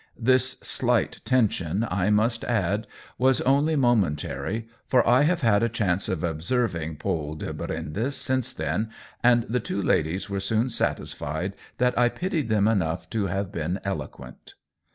This slight tension, I must COLLABORATION 141 add, was only momentary, for I have had a chance of observing Paule de Brindes since then, and the two ladies were soon satisfied that I pitied them enough to have been eloquent.